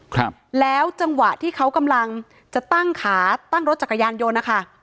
ครับแล้วจังหวะที่เขากำลังจะตั้งขาตั้งรถจักรยานยนต์นะคะ